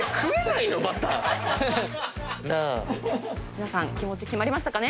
皆さん気持ち決まりましたかね。